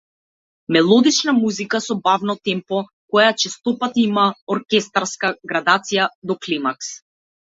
Мелодична музика со бавно темпо, која честопати има оркестарска градација до климакс.